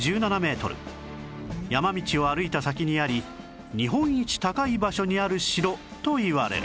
山道を歩いた先にあり日本一高い場所にある城といわれる